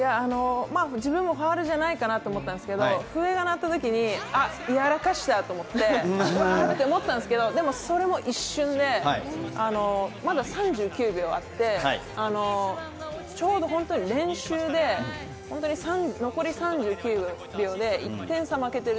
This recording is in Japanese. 自分もファウルじゃないかなと思ったんですけれども、笛が鳴った時に、あ、やらかした！と思って、それも一瞬で、まだ３９秒あって、ちょうど練習で残り３９秒で１点差負けている